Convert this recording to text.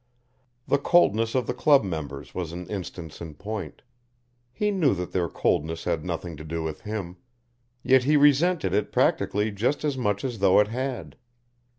The coldness of the club members was an instance in point. He knew that their coldness had nothing to do with him, yet he resented it practically just as much as though it had.